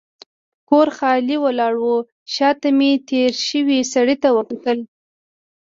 کور خالي ولاړ و، شا ته مې تېر شوي سړک ته وکتل.